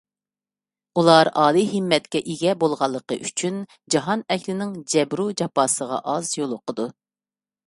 ئۇلار ئالىي ھىممەتكە ئىگە بولغانلىقى ئۈچۈن، جاھان ئەھلىنىڭ جەبرۇ جاپاسىغا ئاز يولۇقىدۇ.